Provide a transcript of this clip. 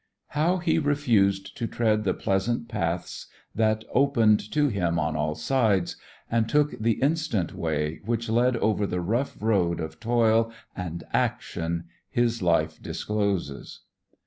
How he refused to tread the pleasant paths that opened to him on all sides and took the instant way which led over the rough road of toil and action his life discloses.